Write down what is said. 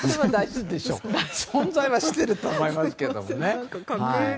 存在はしていると思いますけどね。